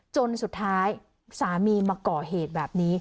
จนสุดท้ายสามีมาก่อเหตุแบบนี้